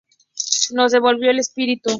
Nos devolvió el espíritu".